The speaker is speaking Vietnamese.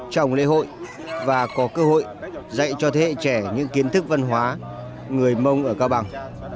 trong lễ hội và có cơ hội dạy cho thế hệ trẻ những kiến thức văn hóa người mông ở cao bằng